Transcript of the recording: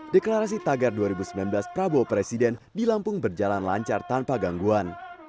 deklarasi tagar dua ribu sembilan belas prabowo presiden di lampung berjalan lancar tanpa gangguan